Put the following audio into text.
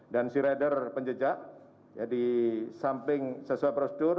dan si rider penjejak ya di samping sesuai prosedur